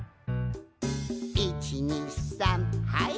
「１２３はい」